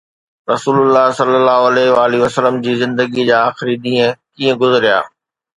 رسول الله ﷺ جي زندگيءَ جا آخري ڏينهن ڪيئن گذريا؟